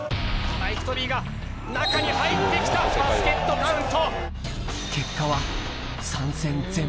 マイク・トビーが中に入って来たバスケットカウント。